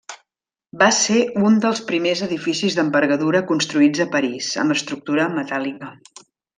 Va ser un dels primers edificis d'envergadura construïts a París amb estructura metàl·lica.